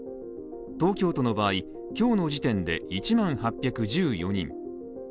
東京都の場合、今日の時点で１万８１４人。